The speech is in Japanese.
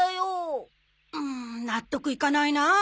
ん納得いかないなあ。